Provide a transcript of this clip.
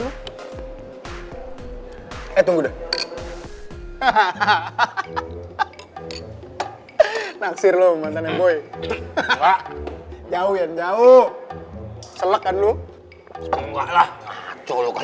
hai itu udah hahaha naksir lo mantan yang gue jauh jauh selesai dulu enggaklah jolok